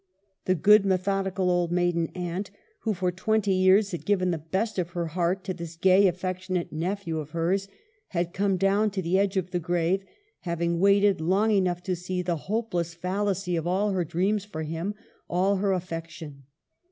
The good methodical old maiden aunt — who for twenty years had given the best of her heart to this gay affectionate nephew of hers — had come down to the edge of the grave, having waited long enough to see the hopeless fallacy of all her dreams for him, all her affection.